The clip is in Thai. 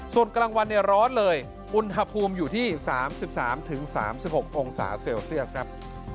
ส่วนกลางวันเนี่ยร้อนเลยอุณหภูมิอยู่ที่๓๓๖องศาเซลเซียสครับ